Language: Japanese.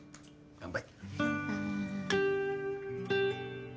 乾杯。